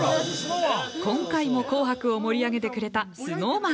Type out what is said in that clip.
今回も「紅白」を盛り上げてくれたＳｎｏｗＭａｎ。